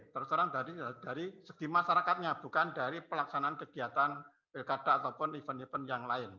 terus terang dari segi masyarakatnya bukan dari pelaksanaan kegiatan pilkada ataupun event event yang lain